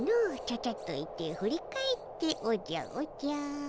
「ちゃちゃっと行って振り返っておじゃおじゃ」